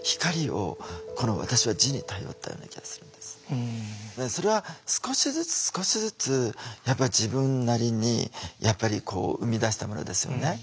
苦しいものだけからそれは少しずつ少しずつやっぱ自分なりにやっぱりこう生み出したものですよね。